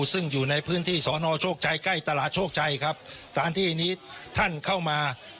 ซึ่งอยู่ในพื้นที่สอนอโชคชัยใกล้ตลาดโชคชัยครับสถานที่นี้ท่านเข้ามา